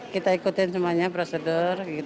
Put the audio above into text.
kita ikutin semuanya prosedur gitu saja